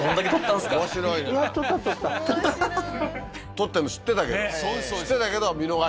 盗ってるの知ってたけど。